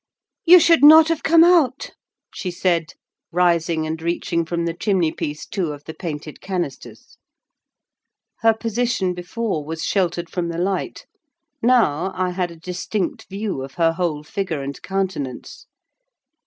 "You should not have come out," she said, rising and reaching from the chimney piece two of the painted canisters. Her position before was sheltered from the light; now, I had a distinct view of her whole figure and countenance.